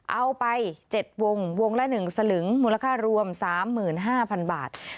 เอาไป๗วงวงละ๑สลึงมูลค่ารวม๓๕๐๐๐บาท